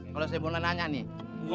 kalau saya boleh nanya nih